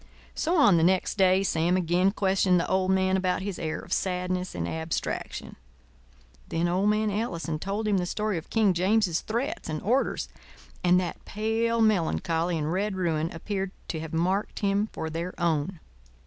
So, on the next day, Sam again questioned the old man about his air of sadness and abstraction. Then old man Ellison told him the story of King James's threats and orders and that pale melancholy and red ruin appeared to have marked him for their own.